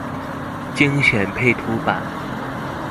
精選配圖版